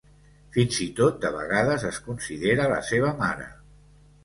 Fins i tot de vegades es considera la seva mare.